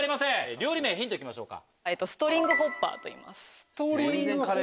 料理名ヒントいきましょうか。